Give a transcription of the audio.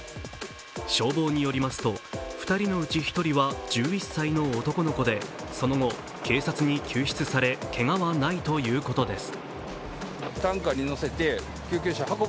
消防によりますと、２人のうち１人は１１歳の男の子でその後、警察に救出されけがはないということです。